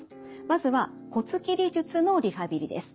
まずは骨切り術のリハビリです。